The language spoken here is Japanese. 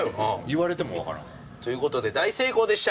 言われてもわからん。という事で大成功でした。